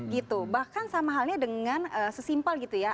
gitu bahkan sama halnya dengan sesimpel gitu ya